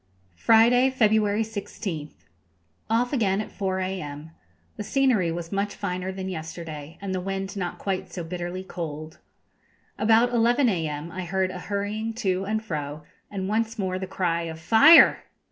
Friday, February 16th. Off again at 4 a.m. The scenery was much finer than yesterday, and the wind not quite so bitterly cold. About 11 a.m. I heard a hurrying to and fro, and once more the cry of 'Fire!'